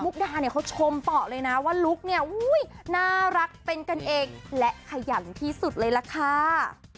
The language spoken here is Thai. มุกดาเขาชมต่อเลยนะว่าลุคน่ารักเป็นกันเองและขยันที่สุดเลยละค่ะ